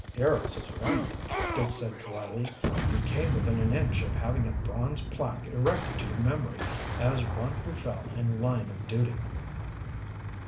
"Heroes is right," Duke said dryly. "You came within an inch of having a bronze plaque erected to your memory as one who fell in line of duty."